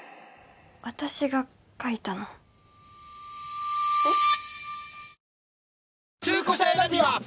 私が書いたのえっ？